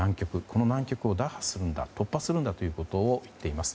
この難局を打破するんだ突破するんだと言っています。